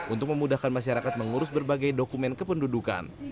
untuk memudahkan masyarakat mengurus berbagai dokumen kependudukan